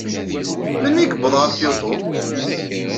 Melmi ay yuweḍ ɣer Kyoto?